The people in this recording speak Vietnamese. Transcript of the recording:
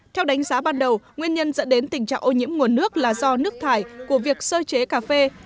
theo đánh giá ban đầu nguyên nhân dẫn đến tình trạng ô nhiễm nguồn nước là do nước thải của việc sơ chế cà phê